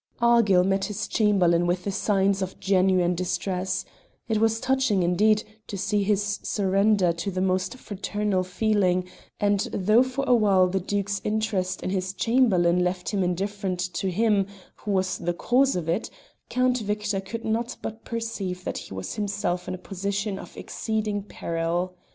Argyll met his Chamberlain with the signs of genuine distress: it was touching, indeed, to see his surrender to the most fraternal feeling, and though for a while the Duke's interest in his Chamberlain left him indifferent to him who was the cause of it, Count Victor could not but perceive that he was himself in a position of exceeding peril.